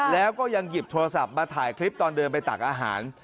แล้วก็ยังหยิบโทรศัพท์มาถ่ายคลิปตอนเดินไปตักอาหาร